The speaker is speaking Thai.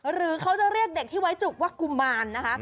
หรือเขาจะเรียกเด็กที่ไว้จุกว่ากุมารนะคะ